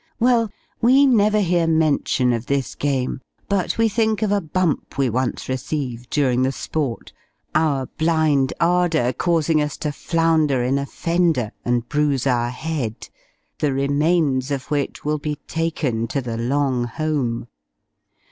Well, we never hear mention of this game but we think of a bump we once received during the sport, our blind ardour causing us to flounder in a fender, and bruise our head, the remains of which will be taken to the "long home."